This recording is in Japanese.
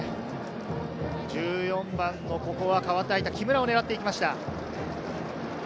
１４番の代わって入った木村を狙っていきました。